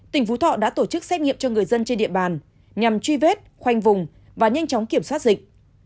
tỉnh phú thọ đã tổ chức xét nghiệm cho người dân trên địa bàn nhằm truy vết khoanh vùng và nhanh chóng kiểm soát dịch